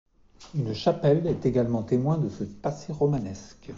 Une chapelle est également témoin de ce passé romanesque.